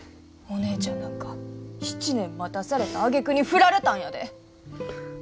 お姉ちゃんなんか７年待たされたあげくに振られたんやで！？